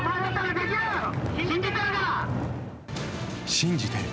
信じてる。